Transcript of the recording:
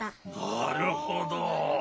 なるほど。